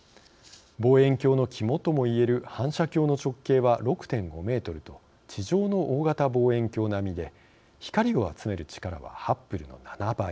望遠鏡の肝ともいえる反射鏡の直径は６．５メートルと地上の大型望遠鏡並みで光を集める力はハッブルの７倍。